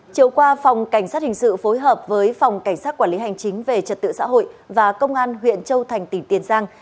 chiều qua phòng cảnh sát hình sự phối hợp với phòng cảnh sát quản lý hành chính về trật tự xã hội và công an huyện châu thành tỉnh tiền giang